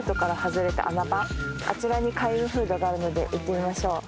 あちらに開運フードがあるので行ってみましょう。